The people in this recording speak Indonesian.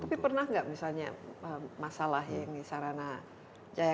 tapi pernah nggak misalnya masalah yang di sarana jaya